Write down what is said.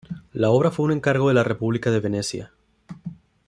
La obra fue un encargo de la República de Venecia.